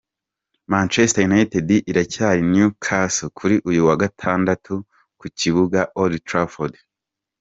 Manchester United iracyira Newcastle kuri uyu wa gatandatu ku kibuga Old Trafford.